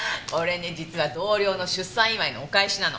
実は同僚の出産祝いのお返しなの。